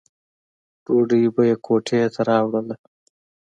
ډوډۍ به یې کوټې ته راوړله.